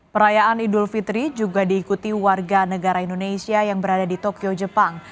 perayaan idul fitri juga diikuti warga negara indonesia yang berada di tokyo jepang